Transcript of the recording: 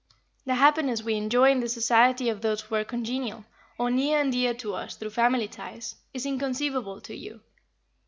The happiness we enjoy in the society of those who are congenial, or near and dear to us through family ties, is inconceivable to you.